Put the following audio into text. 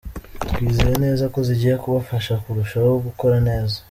Twizeye neza ko zigiye kubafasha kurushaho gukora neza .